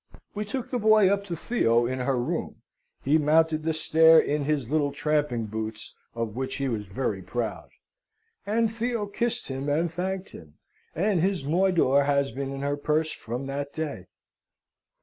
We took the boy up to Theo in her room (he mounted the stair in his little tramping boots, of which he was very proud); and Theo kissed him, and thanked him; and his moidore has been in her purse from that day.